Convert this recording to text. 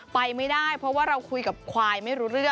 ไปไม่ได้เพราะว่าเราคุยกับควายไม่รู้เรื่อง